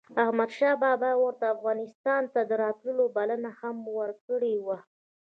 احمد شاه بابا ورته افغانستان ته دَراتلو بلنه هم ورکړې وه